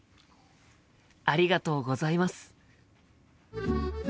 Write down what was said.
ありがとうございます。